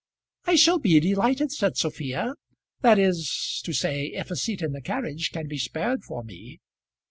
"I shall be delighted," said Sophia, "that is to say if a seat in the carriage can be spared for me."